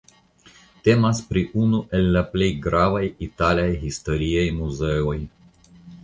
Temas pri unu el la plej gravaj italaj historiaj muzeoj.